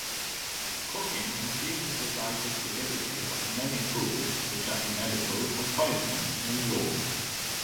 Cooking increases the digestibility of many foods which are inedible or poisonous when raw.